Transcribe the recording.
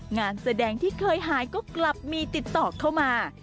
งานแสดงที่เคยหายก็กลับมีติดต่อเข้ามา